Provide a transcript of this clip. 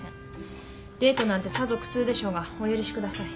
デートなんてさぞ苦痛でしょうがお許しください。